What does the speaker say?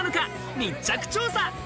密着調査！